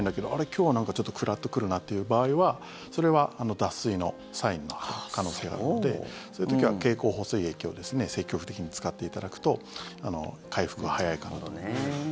今日はなんかちょっとクラッと来るなっていう場合はそれは脱水のサインの可能性があるのでそういう時は経口補水液を積極的に使っていただくと回復が早いかなと。